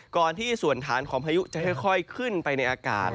ก่อนที่ส่วนฐานของพายุจะค่อยขึ้นไปในอากาศ